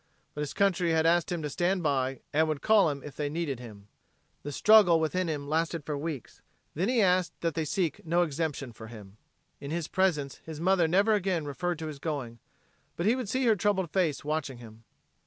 But his country had asked him to stand by and would call him if it needed him. The struggle within him lasted for weeks. Then he asked that they seek no exemption for him. In his presence his mother never again referred to his going, but he would see her troubled face watching him.